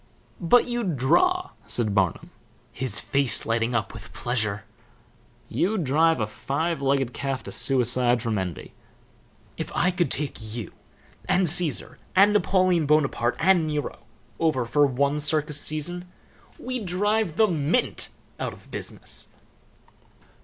"But you'd draw," said Barnum, his face lighting up with pleasure. "You'd drive a five legged calf to suicide from envy. If I could take you and Caesar, and Napoleon Bonaparte and Nero over for one circus season we'd drive the mint out of business."